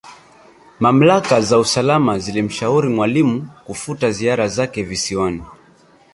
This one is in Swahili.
Mamlaka za usalama zilimshauri Mwalimu kufuta ziara zake Visiwani